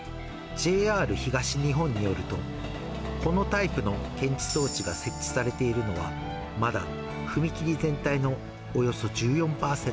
ＪＲ東日本によると、このタイプの検知装置が設置されているのは、まだ踏切全体のおよそ１４％。